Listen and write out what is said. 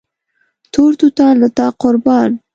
تور توتان له تا قربان